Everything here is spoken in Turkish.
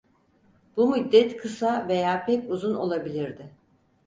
Bu müddet kısa veya pek uzun olabilirdi.